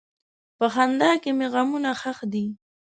په خندا کې مې غمونه ښخ دي.